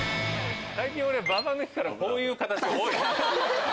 最近俺ババ抜きからこういう形が多い。